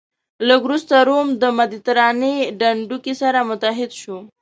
لږ وروسته روم د مدترانې ډنډوکی سره متحد شو.